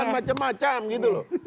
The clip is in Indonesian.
macam macam gitu loh